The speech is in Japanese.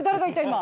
今。